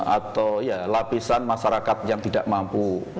atau ya lapisan masyarakat yang tidak mampu